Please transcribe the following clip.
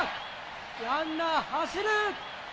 ランナー、走る！